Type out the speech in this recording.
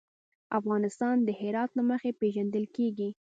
افغانستان د هرات له مخې پېژندل کېږي.